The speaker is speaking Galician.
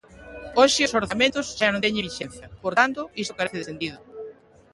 Hoxe os orzamentos xa non teñen vixencia; por tanto, isto carece de sentido.